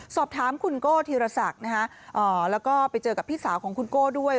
สอบถามคุณโก้ธีรศักดิ์แล้วก็ไปเจอกับพี่สาวของคุณโก้ด้วย